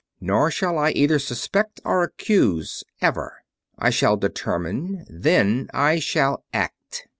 Nor shall I either suspect or accuse, ever. I shall determine, then I shall act."